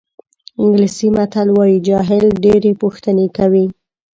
انګلیسي متل وایي جاهل ډېرې پوښتنې کوي.